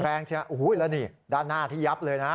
ใช่ไหมโอ้โหแล้วนี่ด้านหน้าที่ยับเลยนะ